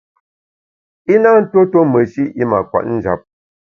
I na ntuo tuo meshi’ i mâ kwet njap.